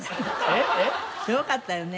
えっ？すごかったよね。